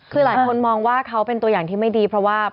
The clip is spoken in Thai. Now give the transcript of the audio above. คือหลายคนมองว่าเขาเป็นตัวอย่างที่ไม่ดีเพราะว่า